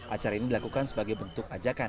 acara ini dilakukan sebagai bentuk ajakan